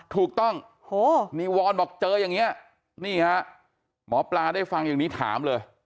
ถูกต้องนี่วอนบอกเจออย่างนี้นี่ฮะหมอปลาได้ฟังอย่างนี้ถามเลย